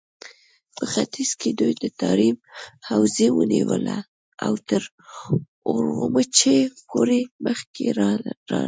په ختيځ کې دوی د تاريم حوزه ونيوله او تر اورومچي پورې مخکې لاړل.